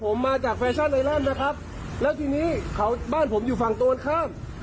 ผมมาจากแฟชั่นไอลอนด์นะครับแล้วทีนี้เขาบ้านผมอยู่ฝั่งตรงข้าม